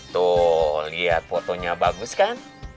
tuh lihat fotonya bagus kan